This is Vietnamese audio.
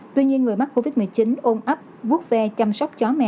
tuy nhiên người mắc covid một mươi chín ôm ấp vuốt ve chăm sóc